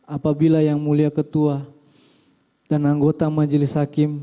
apabila yang mulia ketua dan anggota majelis hakim